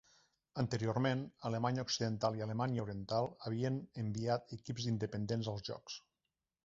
Anteriorment, Alemanya Occidental i Alemanya Oriental havien enviat equips independents als Jocs.